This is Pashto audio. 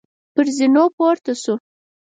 پر زینو پورته شوو.